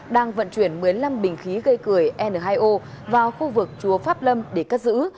đang vận chuyển một mươi năm bình khí gây cười n hai o vào khu vực chùa pháp lâm để cất giữ